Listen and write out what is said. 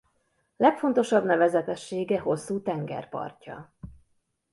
Legfontosabb nevezetessége hosszú tengerpartja.